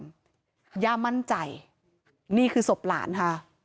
เยี่ยมไม่ได้บอกว่าย่ามั่นใจนี่คือสบหลานค่ะ